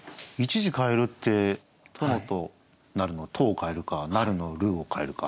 １字変えるって「殿となる」の「と」を変えるか「なる」の「る」を変えるか。